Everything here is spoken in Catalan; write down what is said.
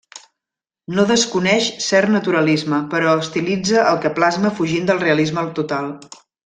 No desconeix cert naturalisme, però estilitza el que plasma fugint del realisme total.